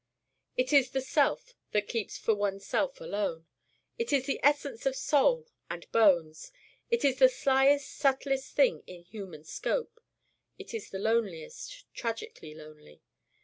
It is the Self one keeps for oneself alone. It is the Essence of soul and bones. It is the slyest subtlest thing in human scope. It is the loneliest: tragically lonely.